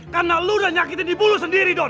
karena lu udah nyakitin ibu lu sendiri don